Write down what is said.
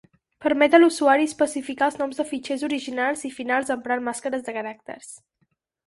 Permet a l'usuari especificar els noms de fitxers originals i finals emprant màscares de caràcters.